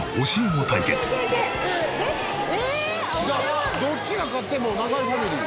じゃあどっちが勝っても永井ファミリー。